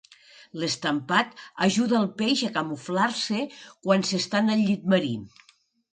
L'estampat ajuda el peix a camuflar-se quan s'estan al llit marí.